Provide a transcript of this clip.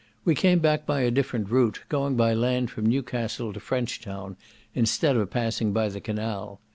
We came back by a different route, going by land from Newcastle to French Town, instead of passing by the canal.